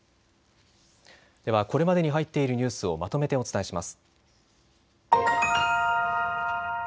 ではこれまでに入っているニュースをまとめてお伝えします。